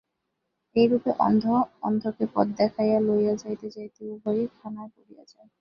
এইরূপে অন্ধ অন্ধকে পথ দেখাইয়া লইয়া যাইতে যাইতে উভয়েই খানায় পড়িয়া যায়।